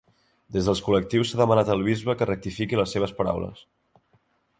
Des dels col·lectius s’ha demanat al bisbe que rectifiqui les seves paraules.